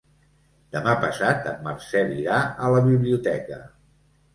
Demà passat en Marcel irà a la biblioteca.